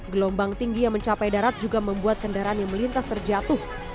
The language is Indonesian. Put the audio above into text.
gelombang tinggi yang mencapai darat juga membuat kendaraan yang melintas terjatuh